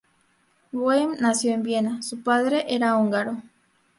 Boehm nació en Viena, su padre era húngaro.